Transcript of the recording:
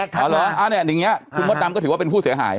อ๋อเหรออย่างนี้คุณมดดำก็ถือว่าเป็นผู้เสียหาย